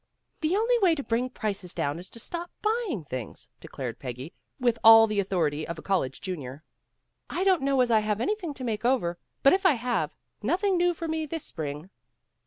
' 'The only way to bring prices down is to stop buying things," declared Peggy, with all the authority of a college Junior. "I don't PEGGY RAYMOND'S WAY know as I have anything to make over, but if I have, nothing new for me this spring."